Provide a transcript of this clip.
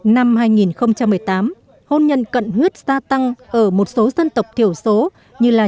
năm hai nghìn một mươi tám hôn nhân cận huyết gia tăng ở một số dân tộc thiểu số như là